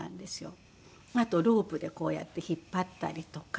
あとロープでこうやって引っ張ったりとか。